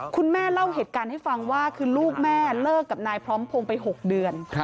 เล่าเหตุการณ์ให้ฟังว่าคือลูกแม่เลิกกับนายพร้อมพงศ์ไป๖เดือน